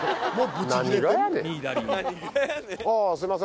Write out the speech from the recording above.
あすいません